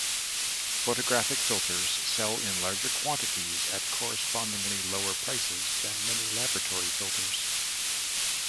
Photographic filters sell in larger quantities at correspondingly lower prices than many laboratory filters.